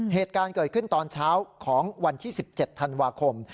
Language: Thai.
เหตุการณ์เกิดขึ้นตอนเช้าของวันที่๑๗ธันวาคม